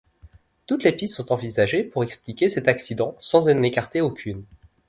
Toutes les pistes sont envisagées pour expliquer cet accident, sans en écarter aucune.